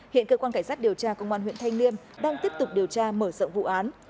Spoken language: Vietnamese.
hiện cơ quan cảnh sát điều tra công an huyện thanh liêm đang tiếp tục điều tra mở rộng vụ án